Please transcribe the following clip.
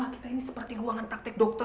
rumah kita ini seperti ruangan praktek dokter